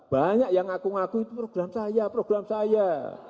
banyak yang ngaku ngaku itu program saya program saya